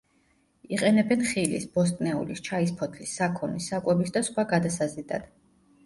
იყენებენ ხილის, ბოსტნეულის, ჩაის ფოთლის, საქონლის საკვების და სხვა გადასაზიდად.